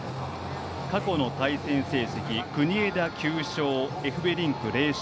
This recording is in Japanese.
過去の対戦成績国枝、９勝エフベリンク０勝。